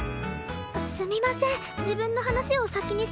すみません自分の話を先にしてしまって。